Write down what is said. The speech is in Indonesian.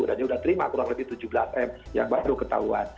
dan dia udah terima kurang lebih tujuh belas m yang baru ketahuan